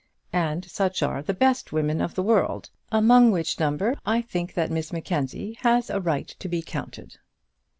And such are the best women of the world, among which number I think that Miss Mackenzie has a right to be counted.